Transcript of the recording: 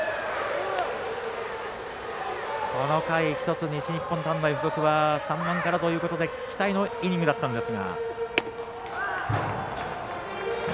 この回、１つ西日本短大付属は３番からということで期待のイニングだったんですが。